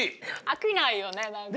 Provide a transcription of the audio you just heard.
あきないよね！